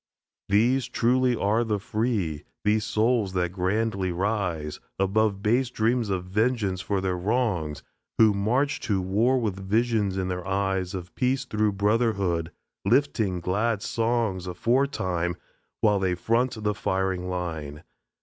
These truly are the Free, These souls that grandly rise Above base dreams of vengeance for their wrongs, Who march to war with visions in their eyes Of Peace through Brotherhood, lifting glad songs Aforetime, while they front the firing line.